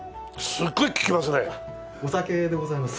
お酒でございます。